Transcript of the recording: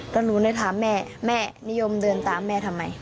แล้วหนูเลยถามแม่แม่นิยมเดินตามแม่ทำไม